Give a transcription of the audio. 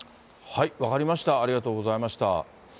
分かりました、ありがとうございました。